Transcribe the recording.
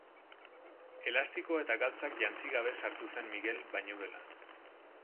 Elastikoa eta galtzak jantzi gabe sartu zen Migel bainu-gelan.